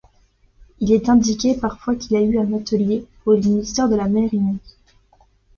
Il est indiqué parfois qu’il a eu un atelier au ministère de la Marine.